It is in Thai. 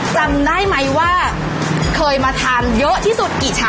จำได้ไหมว่าเคยมาทานเยอะที่สุดกี่ชาม